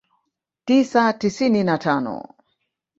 tisa tisini na tano